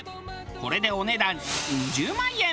これでお値段２０万円。